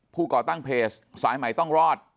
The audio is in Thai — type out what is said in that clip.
ก่อตั้งเพจสายใหม่ต้องรอด